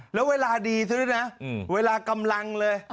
แล้วเวลาดีซะด้วยนะเวลากำลังเลย